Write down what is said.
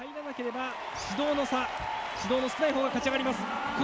指導の差、指導の少ないほうが勝ち上がります。